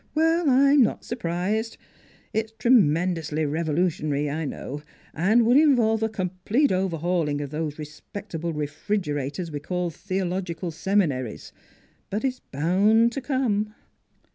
Well, I'm not surprised. It's tremendously revolutionary, I know, and would involve a complete overhaul ing of those respectable refrigerators we call theological seminaries; but it's bound to come."